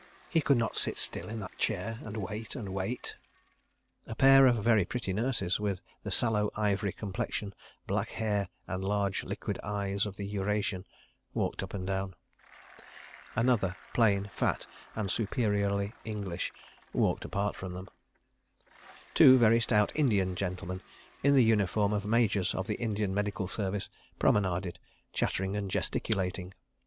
... He could not sit still in that chair and wait, and wait. ... A pair of very pretty nurses, with the sallow ivory complexion, black hair and large liquid eyes of the Eurasian, walked up and down. Another, plain, fat, and superiorly English, walked apart from them. Two very stout Indian gentlemen, in the uniform of Majors of the Indian Medical Service, promenaded, chattering and gesticulating.